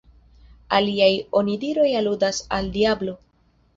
Aliaj onidiroj aludas al diablo.